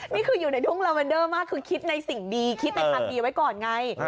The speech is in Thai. นี่คืออยู่ในทุ่งลาเวนเดอร์มากคือคิดในสิ่งดีคิดในทางดีไว้ก่อนไง